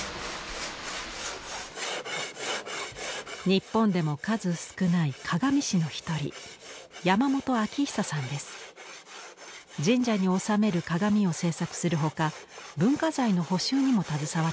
日本でも数少ない鏡師の一人神社に納める鏡を制作する他文化財の補修にも携わっています。